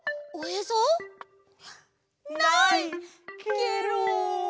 ケロ。